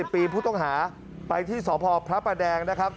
๑ปีผู้ต้องหาไปที่สพพระประแดงนะครับ